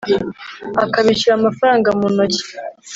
akabishyura amafaranga mu ntoki